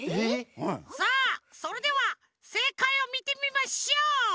さあそれではせいかいをみてみましょう。